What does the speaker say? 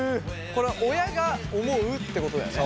これ親が思うってことだよね？